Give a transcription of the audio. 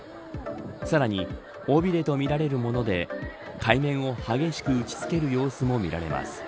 さらに、尾びれとみられるもので海面を激しく打ちつける様子も見られます。